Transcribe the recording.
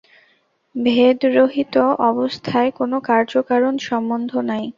ভেদ-রহিত অবস্থায় কোন কার্য-কারণ-সম্বন্ধ নাই।